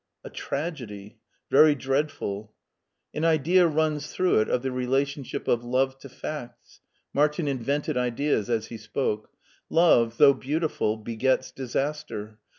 A tragedy. Very dreadful." HEIDELBERG 33 ^'An idea runs through it of the relationship of love to facts." Martin invented ideas as he spoke. Love, though beautiful, b^ets disaster.